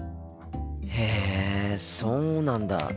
へえそうなんだ。